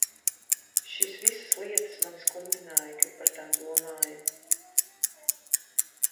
Šīs visas lietas mani skumdināja, kad par tām domāju.